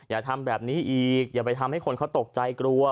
อย่าทำแบบนี้อีกอย่าไปทำให้คนเขาตกใจกลัว